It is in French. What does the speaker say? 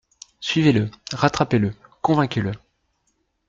Suivez-le, rattrapez-le, convainquez-le.